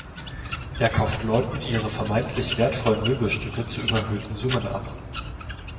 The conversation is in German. Er kauft Leuten ihre vermeintlich wertvollen Möbelstücke zu überhöhten Summen ab.